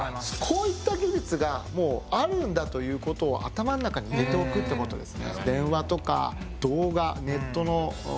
こういった技術がもうあるんだということを頭の中に入れておくってことです。